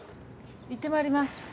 行ってまいります。